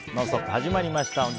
始まりました。